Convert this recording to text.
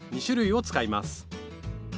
２種類を使います。